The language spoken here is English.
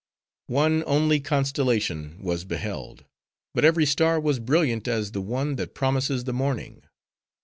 One only constellation was beheld; but every star was brilliant as the one, that promises the morning.